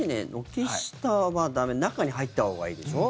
軒下は駄目中に入ったほうがいいでしょ？